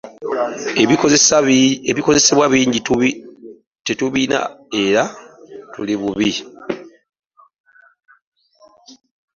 Ebikozesebwa bingi tetubirina era tuli bubi.